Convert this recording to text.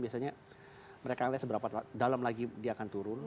biasanya mereka melihat seberapa dalam lagi dia akan turun